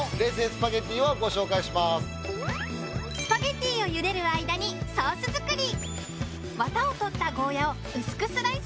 スパゲティをゆでる間にソース作り